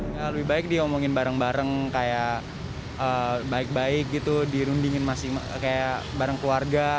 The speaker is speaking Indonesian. ya lebih baik diomongin bareng bareng kayak baik baik gitu dirundingin masih kayak bareng keluarga